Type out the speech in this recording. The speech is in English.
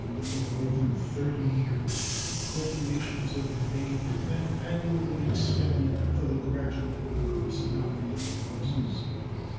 For more than thirty years appropriations have been made and annually expended for the gradual increase of our naval forces.